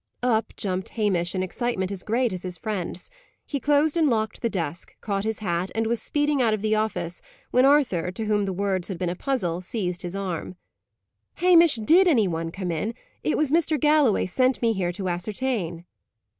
Up jumped Hamish, in excitement as great as his friend's. He closed and locked the desk, caught his hat, and was speeding out of the office, when Arthur, to whom the words had been a puzzle, seized his arm. "Hamish, did any one come in? It was Mr. Galloway sent me here to ascertain."